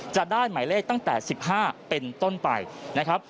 จะได้หมายเลขตั้งแต่๑๕เป็นต้นไปนะครับ